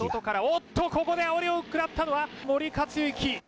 おっとここであおりを食らったのは森且行。